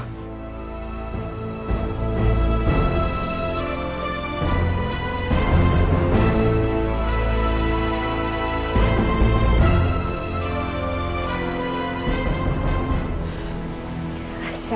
tunggu dulu ya